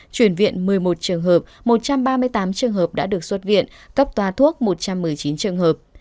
chuyển viện một mươi một trường hợp một trăm ba mươi tám trường hợp đã được xuất viện cấp toa thuốc một trăm một mươi chín trường hợp